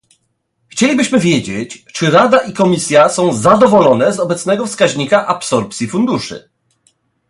Chcielibyśmy wiedzieć, czy Rada i Komisja są zadowolone z obecnego wskaźnika absorpcji funduszy